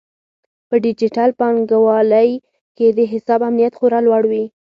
په ډیجیټل بانکوالۍ کې د حساب امنیت خورا لوړ وي.